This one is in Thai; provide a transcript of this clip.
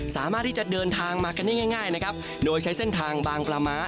สามารถที่จะเดินทางมากันได้ง่ายง่ายนะครับโดยใช้เส้นทางบางปลาม้า